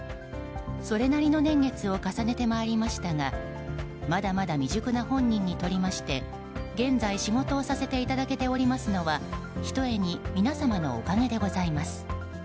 それなりの年月を重ねてまいりましたがまだまだ未熟な本人にとりまして現在、仕事をさせていただけておりますのはひとえに皆様のおかげでございます。